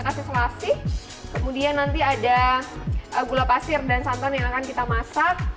kasih selasi kemudian nanti ada gula pasir dan santan yang akan kita masak